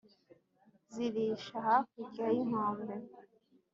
Zirisha hakurya y'inkombe